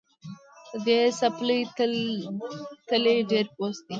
د دې څپلۍ تلی ډېر پوست دی